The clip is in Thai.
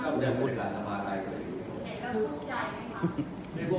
ถ้าเป็นอย่างค่อยแบบนี้ก็ไม่ได้กลับมาไทยก็ไม่ได้อยู่